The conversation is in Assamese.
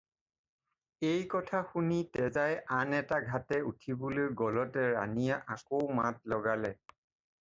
এইকথা শুনি তেজাই আন এটা ঘাটে উঠিবলৈ গ'লতে ৰাণীয়ে আকৌ মাত লগালে।